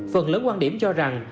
phần lớn quan điểm cho rằng